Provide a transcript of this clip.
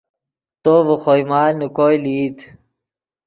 تو ڤے خوئے مال نے کوئے لئیت